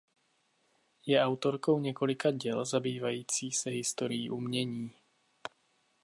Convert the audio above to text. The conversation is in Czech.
Je autorkou několika děl zabývající se historií umění.